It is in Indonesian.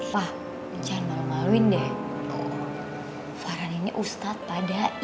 pak jangan malu maluin deh farhan ini ustadz padai